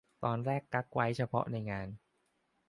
ตอนแรกกั๊กไว้เฉพาะในงาน